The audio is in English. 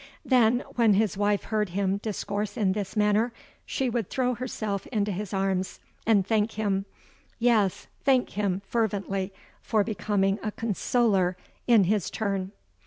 '—Then, when his wife heard him discourse in this manner, she would throw herself into his arms, and thank him—yes, thank him fervently for becoming a consoler in his turn.